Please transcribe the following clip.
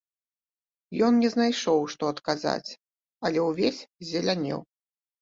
Ён не знайшоў, што адказаць, але ўвесь ззелянеў.